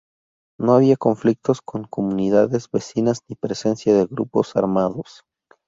No había conflictos con comunidades vecinas ni presencia de grupos armados.